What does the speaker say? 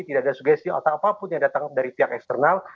tidak ada sugestio atau apapun yang datang dari pihak eksternal